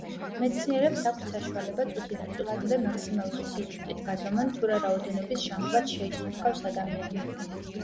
მეცნიერებს აქვთ საშუალება წუთიდან წუთამდე მაქსიმალური სიზუსტით გაზომონ, თუ რა რაოდენობის ჟანგბადს შეისუნთქავს ადამიანი.